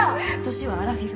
年はアラフィフ。